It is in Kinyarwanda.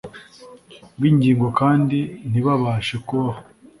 bw’ingingo kandi ntibabashe kubaho.